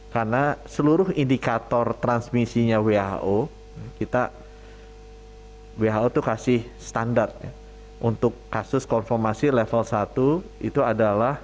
karena seluruh indikator transmisinya who who itu kasih standar untuk kasus konfirmasi level satu